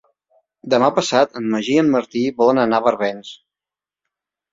Demà passat en Magí i en Martí volen anar a Barbens.